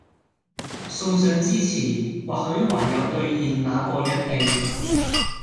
送上支持，或許還有兌現那個約定！